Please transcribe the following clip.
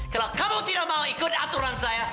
kalau kamu tidak mau ikuti aturan saya